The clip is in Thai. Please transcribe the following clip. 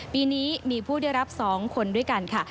ปีนี้มีผู้ได้รับ๒คนด้วยกันค่ะ